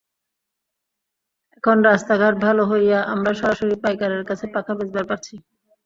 একন রাস্তা-ঘাট ভালো হইয়া হামরা সরাসরি পাইকারের কাচে পাখা বেচপার পারিচ্চি।